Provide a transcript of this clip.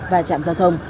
và chạm giao thông